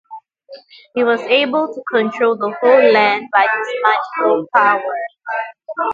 He was able to control the whole land by his magical power.